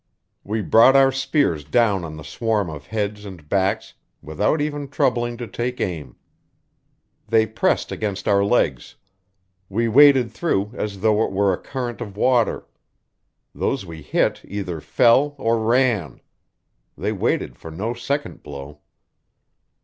We brought our spears down on the swarm of heads and backs without even troubling to take aim. They pressed against our legs; we waded through as though it were a current of water. Those we hit either fell or ran; they waited for no second blow.